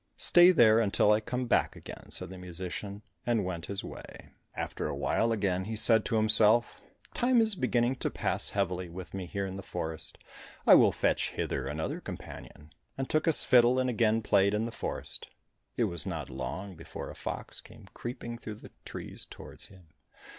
"Stay there until I come back again," said the musician, and went his way. After a while he again said to himself, "Time is beginning to pass heavily with me here in the forest, I will fetch hither another companion," and took his fiddle and again played in the forest. It was not long before a fox came creeping through the trees towards him.